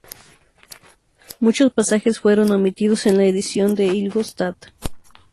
Muchos pasajes fueron omitidos en la edición de Ingolstadt.